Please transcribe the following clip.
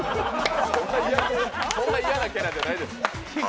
そんな嫌なキャラじゃないです。